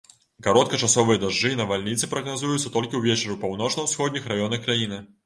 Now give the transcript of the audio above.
Кароткачасовыя дажджы і навальніцы прагназуюцца толькі ўвечары ў паўночна-усходніх раёнах краіны.